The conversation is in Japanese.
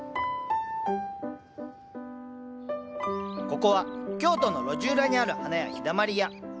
ここは京都の路地裏にある花屋「陽だまり屋」。